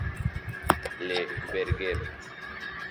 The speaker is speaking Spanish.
Le Verger